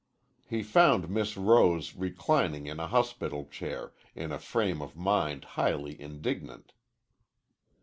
He found Miss Rose reclining in a hospital chair, in a frame of mind highly indignant.